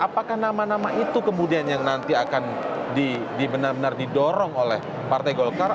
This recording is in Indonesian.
karena nama nama itu kemudian yang nanti akan benar benar didorong oleh partai golkar